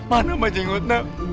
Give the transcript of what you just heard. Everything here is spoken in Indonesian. mana mbah jenggotnya